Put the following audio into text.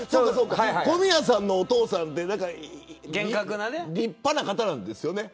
小宮さんのお父さんって立派な方なんですよね。